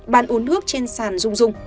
bạn uống nước trên sàn rung rung